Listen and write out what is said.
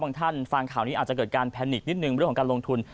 สำหรับบางท่านฟังข่าวอาจจะเกิดการแพนิกลิ๊ดหนึ่งเรื่องลงทุน